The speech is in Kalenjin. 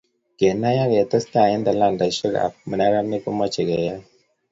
Kenai ak ketestai eng talantaishe ab neranik komoche keyay.